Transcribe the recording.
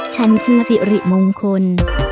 ฉันคือสิริมงคล